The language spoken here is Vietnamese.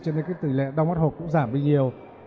cho nên cái tỷ lệ đau mắt hột cũng giảm đi nhiều